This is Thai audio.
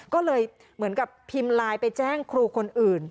ก็เลยเหมือนกับพิมพ์ไลน์ไปแจ้งครูคนอื่น